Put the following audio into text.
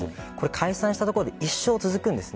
解散したところで一生続くんです。